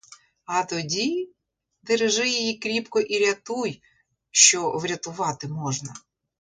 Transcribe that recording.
А тоді — держи її кріпко і рятуй, що врятувати можна.